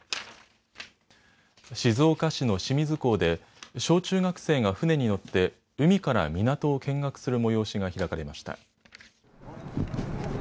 静岡市の清水港で小中学生が船に乗って海から港を見学する催しが開かれました。